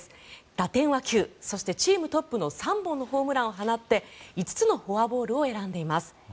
打点は９、そしてチームトップの３本のホームランを放って５つのフォアボールを選んでいます。